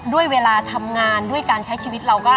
ด้วยเวลาทำงานด้วยการใช้ชีวิตเราก็